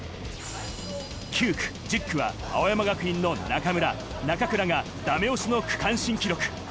９区、１０区は青山学院の中村、中倉がだめ押しの区間新記録。